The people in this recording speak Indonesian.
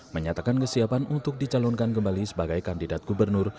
menyatakan kesiapan untuk dicalonkan kembali sebagai kandidat gubernur